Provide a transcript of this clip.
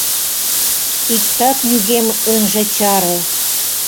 Иктат нигӧм ынже чаре!